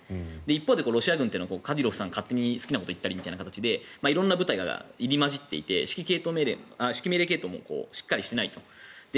一方でロシア軍というのはカディロフさんが勝手に好きなことを言ったりと色んな部隊が入り混じっていて指揮命令系統もしっかりしていないと。